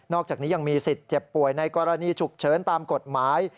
อกจากนี้ยังมีสิทธิ์เจ็บป่วยในกรณีฉุกเฉินตามกฎหมาย